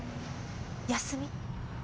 休み。